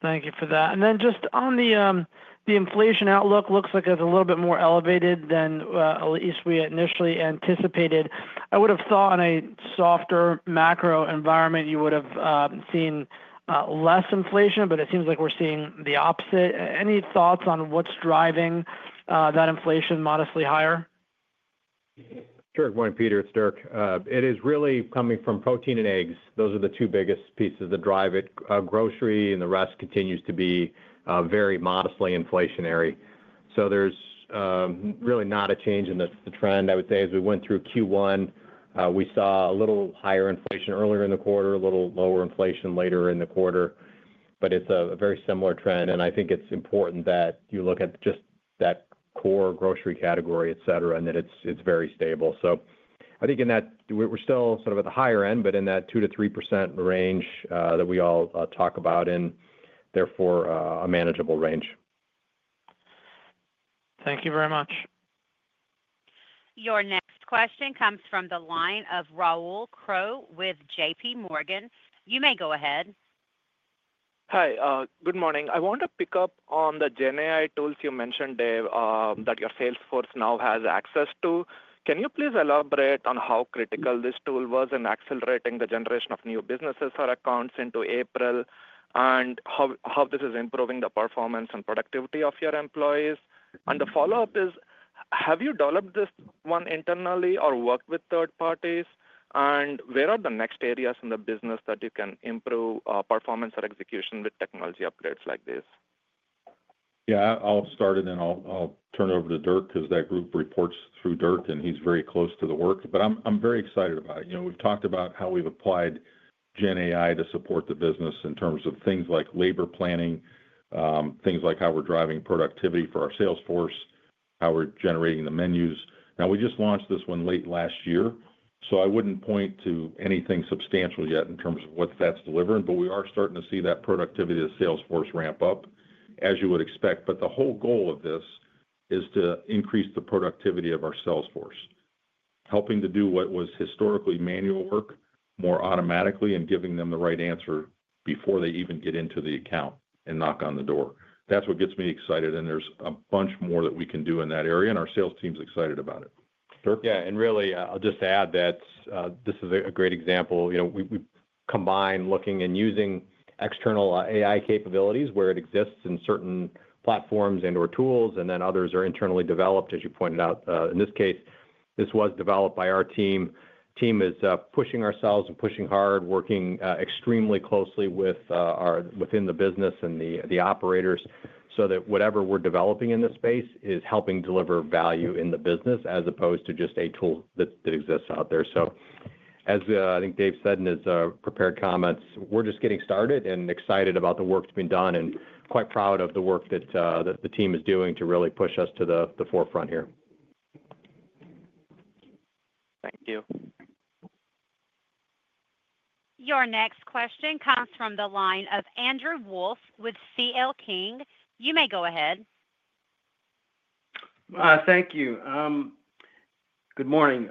Thank you for that. And then just on the inflation outlook, it looks like it's a little bit more elevated than at least we initially anticipated. I would have thought on a softer macro environment, you would have seen less inflation, but it seems like we're seeing the opposite. Any thoughts on what's driving that inflation modestly higher? Sure. Good morning, Peter. It's Dirk. It is really coming from protein and eggs. Those are the two biggest pieces that drive it. Grocery and the rest continues to be very modestly inflationary. So there's really not a change in the trend. I would say as we went through Q1, we saw a little higher inflation earlier in the quarter, a little lower inflation later in the quarter. But it's a very similar trend. And I think it's important that you look at just that core grocery category, etc., and that it's very stable. So I think we're still sort of at the higher end, but in that 2%-3% range that we all talk about and therefore a manageable range. Thank you very much. Your next question comes from the line of Rahul Krotthapalli with J.P. Morgan. You may go ahead. Hi. Good morning. I want to pick up on the GenAI tools you mentioned, Dave, that your Salesforce now has access to. Can you please elaborate on how critical this tool was in accelerating the generation of new businesses or accounts into April and how this is improving the performance and productivity of your employees? And the follow-up is, have you developed this one internally or worked with third parties? And where are the next areas in the business that you can improve performance or execution with technology upgrades like this? Yeah. I'll start and then I'll turn it over to Dirk because that group reports through Dirk, and he's very close to the work. But I'm very excited about it. We've talked about how we've applied GenAI to support the business in terms of things like labor planning, things like how we're driving productivity for our sales force, how we're generating the menus. Now, we just launched this one late last year. So I wouldn't point to anything substantial yet in terms of what that's delivering. But we are starting to see that productivity of sales force ramp up, as you would expect. But the whole goal of this is to increase the productivity of our sales force, helping to do what was historically manual work more automatically and giving them the right answer before they even get into the account and knock on the door. That's what gets me excited. And there's a bunch more that we can do in that area. And our sales team's excited about it. Yeah. And really, I'll just add that this is a great example. We combine looking and using external AI capabilities where it exists in certain platforms and/or tools, and then others are internally developed, as you pointed out. In this case, this was developed by our team. The team is pushing ourselves and pushing hard, working extremely closely within the business and the operators so that whatever we're developing in this space is helping deliver value in the business as opposed to just a tool that exists out there. So as I think Dave said in his prepared comments, we're just getting started and excited about the work that's been done and quite proud of the work that the team is doing to really push us to the forefront here. Thank you. Your next question comes from the line of Andrew Wolf with CL King. You may go ahead. Thank you. Good morning.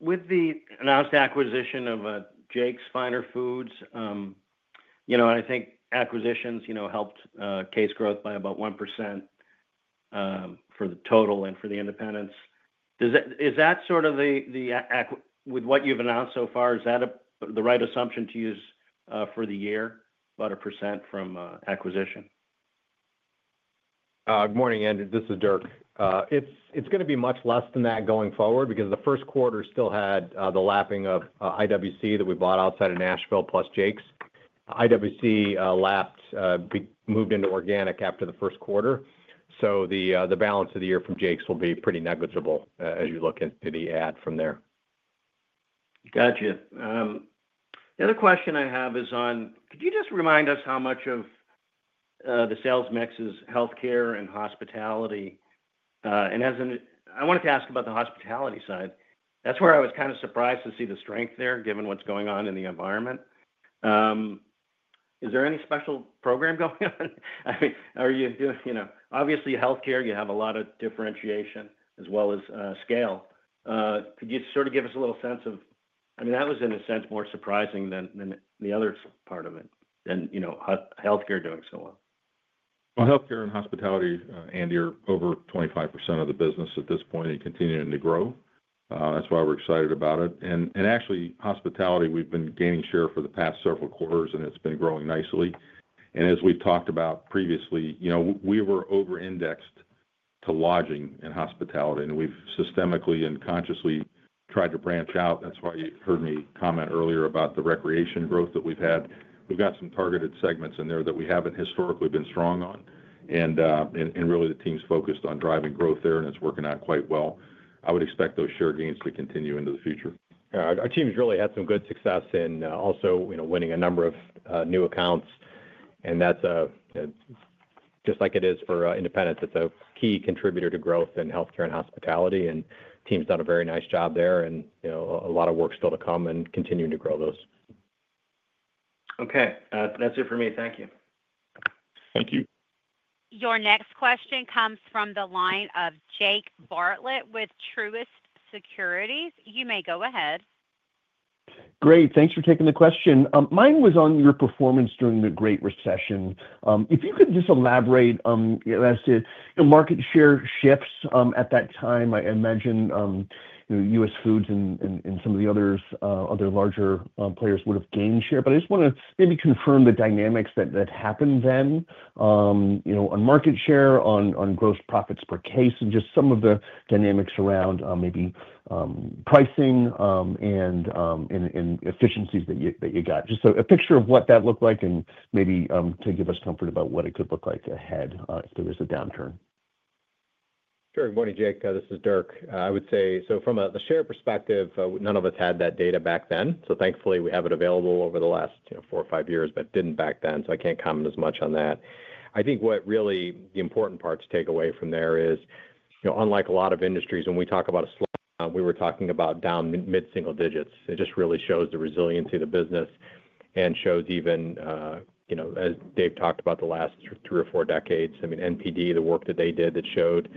With the announced acquisition of Jake's Finer Foods, I think acquisitions helped case growth by about 1% for the total and for the independents. Is that sort of the with what you've announced so far, is that the right assumption to use for the year, about 1% from acquisition? Good morning, Andrew. This is Dirk. It's going to be much less than that going forward because the first quarter still had the lapping of IWC that we bought outside of Nashville plus Jake's. IWC lapped, moved into organic after the first quarter. So the balance of the year from Jake's will be pretty negligible as you look ahead from there. Gotcha. The other question I have is on, could you just remind us how much of the sales mix is healthcare and hospitality? And I wanted to ask about the hospitality side. That's where I was kind of surprised to see the strength there given what's going on in the environment. Is there any special program going on? I mean, are you doing obviously healthcare? You have a lot of differentiation as well as scale. Could you sort of give us a little sense of—I mean, that was, in a sense, more surprising than the other part of it—than healthcare doing so well? Well, healthcare and hospitality, Andy, are over 25% of the business at this point and continuing to grow. That's why we're excited about it. And actually, hospitality, we've been gaining share for the past several quarters, and it's been growing nicely. And as we've talked about previously, we were over-indexed to lodging and hospitality, and we've systemically and consciously tried to branch out. That's why you heard me comment earlier about the recreation growth that we've had. We've got some targeted segments in there that we haven't historically been strong on. And really, the team's focused on driving growth there, and it's working out quite well. I would expect those share gains to continue into the future. Our team's really had some good success in also winning a number of new accounts. And that's just like it is for independents. It's a key contributor to growth in healthcare and hospitality. And the team's done a very nice job there. And a lot of work's still to come and continuing to grow those. Okay. That's it for me. Thank you. Thank you. Your next question comes from the line of Jake Bartlett with Truist Securities. You may go ahead. Great. Thanks for taking the question. Mine was on your performance during the Great Recession. If you could just elaborate as to market share shifts at that time, I imagine US Foods and some of the other larger players would have gained share. But I just want to maybe confirm the dynamics that happened then on market share, on gross profits per case, and just some of the dynamics around maybe pricing and efficiencies that you got. Just a picture of what that looked like and maybe to give us comfort about what it could look like ahead if there is a downturn. Sure. Good morning, Jake. This is Dirk. I would say, so from the share perspective, none of us had that data back then. So thankfully, we have it available over the last four or five years, but didn't back then. So I can't comment as much on that. I think what really the important part to take away from there is, unlike a lot of industries, when we talk about a slowdown, we were talking about down mid-single digits. It just really shows the resiliency of the business and shows even, as Dave talked about, the last three or four decades. I mean, NPD, the work that they did that showed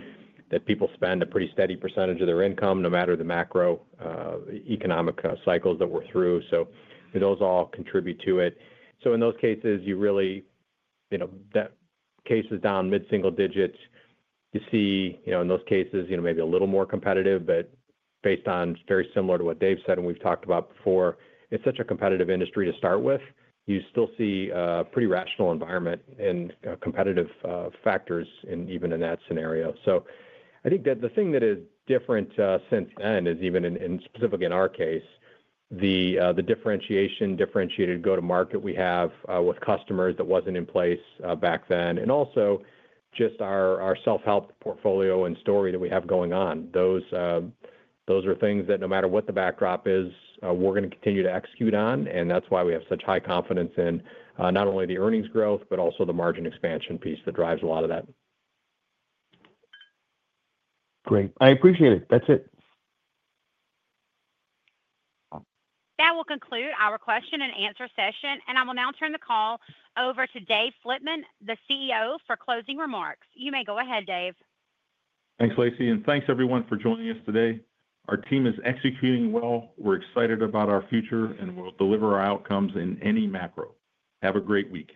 that people spend a pretty steady percentage of their income no matter the macroeconomic cycles that we're through. So those all contribute to it. So in those cases, you really that case is down mid-single digits. You see, in those cases, maybe a little more competitive, but based on very similar to what Dave said and we've talked about before, it's such a competitive industry to start with. You still see a pretty rational environment and competitive factors even in that scenario. So I think that the thing that is different since then is, even specifically in our case, the differentiation, differentiated go-to-market we have with customers that wasn't in place back then, and also just our self-help portfolio and story that we have going on. Those are things that no matter what the backdrop is, we're going to continue to execute on. And that's why we have such high confidence in not only the earnings growth, but also the margin expansion piece that drives a lot of that. Great. I appreciate it. That's it. That will conclude our question and answer session. And I will now turn the call over to Dave Flitman, the CEO, for closing remarks. You may go ahead, Dave. Thanks, Lacey. And thanks, everyone, for joining us today. Our team is executing well. We're excited about our future, and we'll deliver our outcomes in any macro. Have a great week.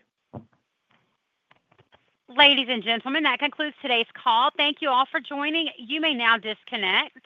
Ladies and gentlemen, that concludes today's call. Thank you all for joining. You may now disconnect.